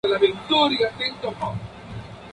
Esta versión no es recogida por Hesíodo.